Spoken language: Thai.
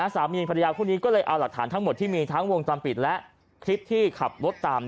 สามีภรรยาคู่นี้ก็เลยเอาหลักฐานทั้งหมดที่มีทั้งวงจรปิดและคลิปที่ขับรถตาม